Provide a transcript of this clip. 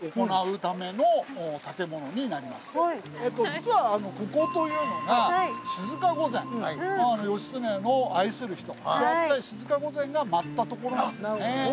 実はここというのが静御前義経の愛する人であった静御前が舞った所なんですね。